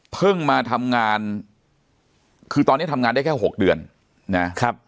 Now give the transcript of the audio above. เพิ่งมาทำงานคือตอนนี้ทำงานได้แค่๖เดือนนะครับ